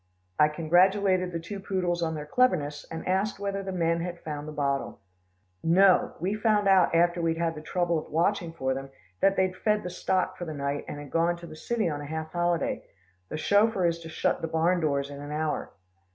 I congratulated the two poodles on their cleverness, and asked whether the men had found the bottle. "No. We found out after we'd had the trouble of watching for them, that they'd fed the stock for the night, and had gone to the city on a half holiday. The chauffeur is to shut the barn doors in an hour."